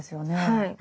はい。